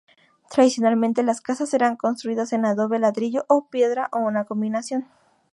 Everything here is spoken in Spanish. Tradicionalmente, las casas eran construidas en adobe, ladrillo o piedra o una combinación.